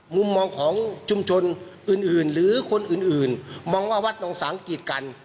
มุมมองของชุมชนอื่นหรือคนอื่นมองว่าวัดนองสังกีดกัน